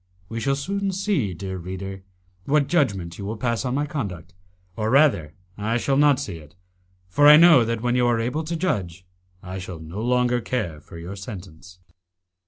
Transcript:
We shall soon see, dear reader, what judgment you will pass on my conduct, or rather I shall not see it, for I know that when you are able to judge, I shall no longer care for your sentence.